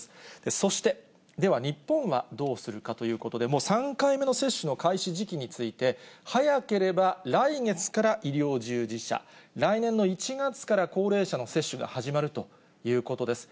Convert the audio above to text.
そして、では日本はどうするかということで、もう３回目の接種開始時期について、早ければ来月から医療従事者、来年の１月から高齢者の接種が始まるということです。